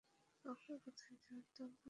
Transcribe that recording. কাউকে কোথাও যাওয়ার দরকার নেই।